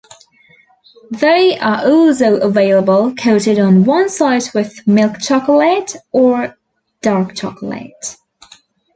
They are also available coated on one side with milk chocolate or dark chocolate.